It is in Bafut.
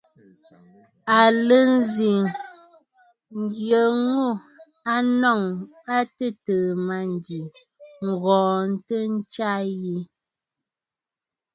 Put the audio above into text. À lɛ nzi nyə ŋû a nɔŋə̀ a tɨtɨ̀ɨ̀ mânjì, ŋ̀ghɔŋtə ntsya yi.